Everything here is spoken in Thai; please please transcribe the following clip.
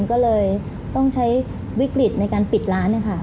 ก็เลยต้องใช้วิกฤตในการปิดร้านนะคะ